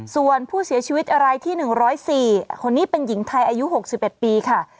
ส่วนผู้เสียชีวิตรายที่๑๐๔คนนี้เป็นหญิงไทยอายุ๖๑ปีค่ะ